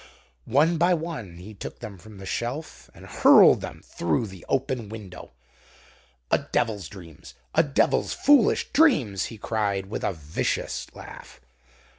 One by one he took them from the shelf and hurled them through the open window. "A devil's dreams! A devil's foolish dreams!" he cried, with a vicious laugh.